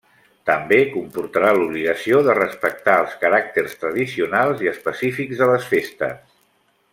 També comportarà l'obligació de respectar els caràcters tradicionals i específics de les festes.